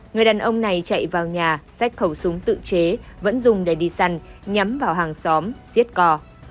người đàn ông này chạy vào nhà sách khẩu súng tự chế vẫn dùng để đi săn nhắm vào hàng xóm xiết cò